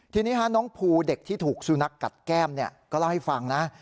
ทีนี้น้องภูเด็กที่ถูกสุนัขกัดแก้มก็เล่าให้ฟังนะ